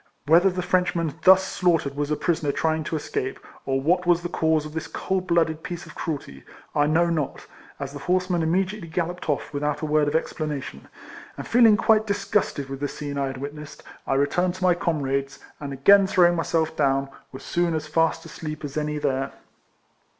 Whether the Frenchman thus slaughtered was a prisoner trying to escape, or what was the cause of this cold blooded piece of cruelty, I know not, as the horsemen immediately galloped off without a word of explanation ; and feeling quite dis gusted with the scene I had witnessed, I re turned to my comrades, and again throwing myself down, was soon as fast asleep as any there.